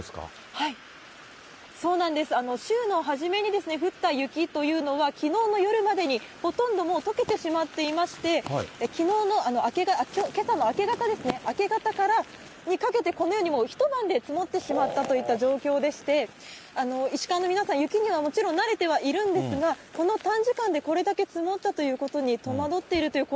はい、そうなんです、週の初めに降った雪というのは、きのうの夜までに、ほとんどもうとけてしまっていまして、けさの明け方ですね、明け方にかけてこのようにもう、一晩で積もってしまったという状況でして、石川の皆さん、雪にはもちろん慣れてはいるんですが、この短時間でこれだけ積もったということに戸惑っているという声